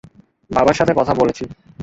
বাবার সাথে কথা বলেছি।